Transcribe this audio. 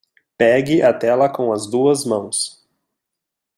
Pegue a tela com as duas mãos